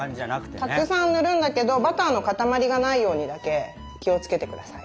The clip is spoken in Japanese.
たくさん塗るんだけどバターの塊がないようにだけ気をつけてください。